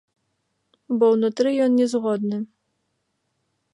Бо ўнутры ён не згодны.